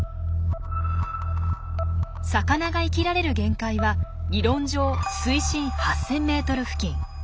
魚が生きられる限界は理論上水深８，０００ｍ付近。